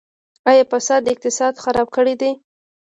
آیا فساد اقتصاد خراب کړی دی؟